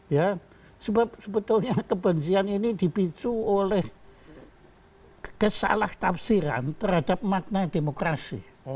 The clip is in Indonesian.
ya sebab sebetulnya kebencian ini dipicu oleh kesalah tafsiran terhadap makna demokrasi